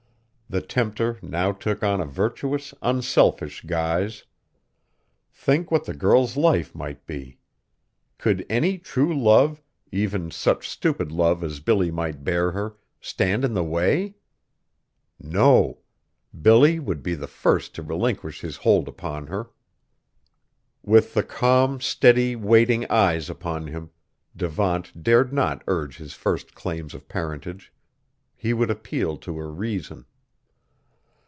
The Tempter now took on a virtuous, unselfish guise. Think what the girl's life might be! Could any true love, even such stupid love as Billy might bear her, stand in the way? No; Billy would be the first to relinquish his hold upon her! With the calm, steady, waiting eyes upon him, Devant dared not urge his first claim of parentage. He would appeal to her reason.